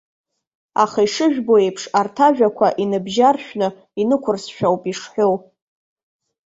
Аха ишыжәбо еиԥш, арҭ ажәақәа иныбжьаршәны, инықәырсшәа ауп ишҳәоу.